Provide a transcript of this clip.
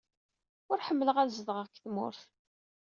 Ur ḥemmleɣ ad zedɣeɣ deg tmurt.